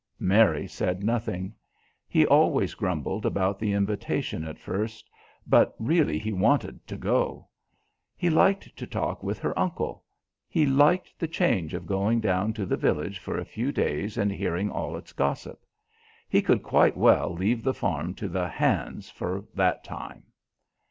Mary said nothing. He always grumbled about the invitation at first, but really he wanted to go. He liked to talk with her uncle. He liked the change of going down to the village for a few days and hearing all its gossip. He could quite well leave the farm to the "hands" for that time.